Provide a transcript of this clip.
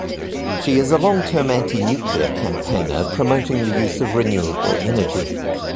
She is a long-term anti-nuclear campaigner, promoting the use of renewable energy.